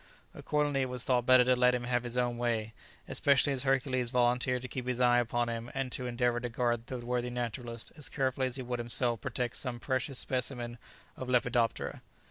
Accordingly it was thought better to let him have his own way, especially as Hercules volunteered to keep his eye upon him, and to endeavour to guard the worthy naturalist as carefully as he would himself protect some precious specimen of a lepidoptera.